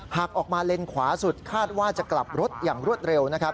หากออกมาเลนขวาสุดคาดว่าจะกลับรถอย่างรวดเร็วนะครับ